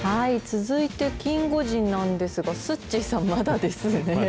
続いてキンゴジンなんですが、すっちーさん、まだですね。